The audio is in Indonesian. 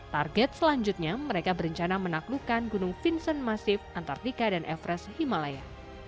target selanjutnya mereka berencana menaklukkan gunung vincent masif antartika dan everest himalaya